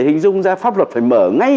hình dung ra pháp luật phải mở ngay